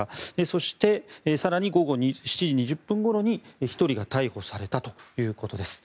そして、更に午後７時２０分ごろに１人が逮捕されたということです。